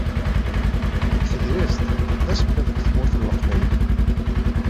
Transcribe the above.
Deg tegrest d asemmiḍ deg tmurt n Leqbayel.